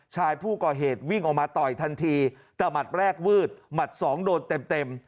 ชายผู้ก่อเหตุวิ่งออกมาต่อยทันทีแต่หมัดแรกวืดหมัดสองโดนเต็มเต็ม